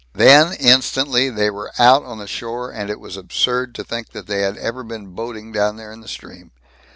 Then, instantly, they were out on the shore and it was absurd to think that they had ever been boating down there in the stream.